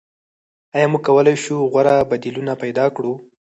آیا موږ کولای شو غوره بدیلونه پیدا کړو؟